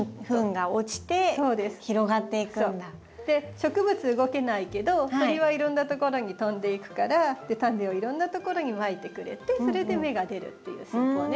植物動けないけど鳥はいろんなところに飛んでいくからタネをいろんなところにまいてくれてそれで芽が出るっていう戦法ね。